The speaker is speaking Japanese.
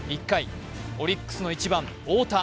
オリックスの１番・太田。